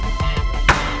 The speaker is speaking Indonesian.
lalu aku mau kemana